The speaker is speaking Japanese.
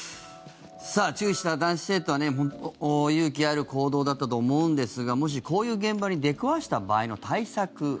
注意した男子生徒は勇気ある行動だったと思うんですがもし、こういう現場に出くわした場合の対策。